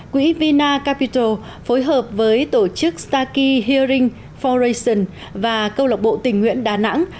quỹ vina capital phối hợp với tổ chức starkey hearing foundation và câu lạc bộ tình nguyện đà nẵng